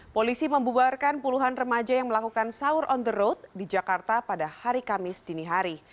polisi membuarkan puluhan remaja yang melakukan sahur on the road di jakarta pada hari kamis dini hari